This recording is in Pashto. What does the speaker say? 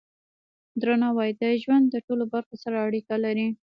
درناوی د ژوند د ټولو برخو سره اړیکه لري.